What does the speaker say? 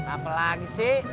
apa lagi sih